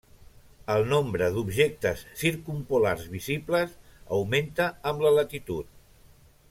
El nombre d'objectes circumpolars visibles augmenta amb la latitud.